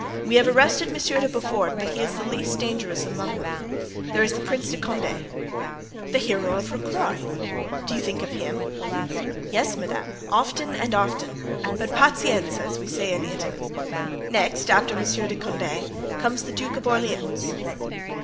We have arrested Monsieur de Beaufort, but he is the least dangerous among them. There is the Prince de Condé——" "The hero of Rocroy. Do you think of him?" "Yes, madame, often and often, but pazienza, as we say in Italy; next, after Monsieur de Condé, comes the Duke of Orleans."